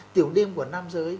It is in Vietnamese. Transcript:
tiểu đêm của nam giới